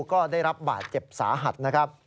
ก็ได้รับบาดเจ็บสาหัสนะครับ